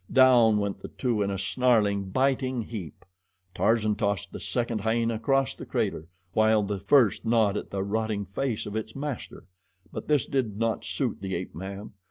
Down went the two in a snarling, biting heap. Tarzan tossed the second hyena across the crater, while the first gnawed at the rotting face of its master; but this did not suit the ape man.